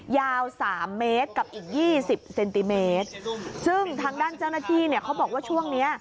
ยาวสามเมตรกับอีกยี่สิบเซนติเมตรซึ่งทางด้านเจ้าหน้าที่เนี่ยเขาบอกว่าช่วงเนี้ย